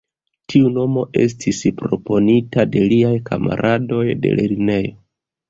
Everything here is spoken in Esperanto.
Tiu nomo estis proponita de liaj kamaradoj de lernejo.